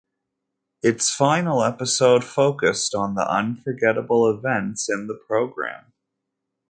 Its final episode focused on the unforgettable events in the program.